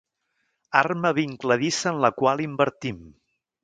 Arma vincladissa en la qual invertim.